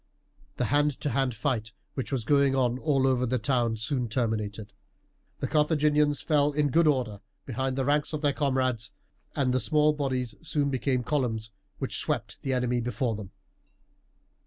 The hand to hand fight which was going on all over the town was soon terminated. The Carthaginians fell in in good order behind the ranks of their comrades, and the small bodies soon became columns which swept the enemy before them.